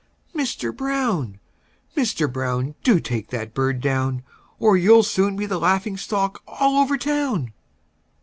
Mister Brown! Mister Brown! Do take that bird down, Or you'll soon be the laughing stock all over town!"